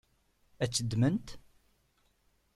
Ad tt-ddment?